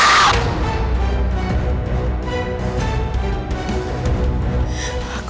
aku harus cari raja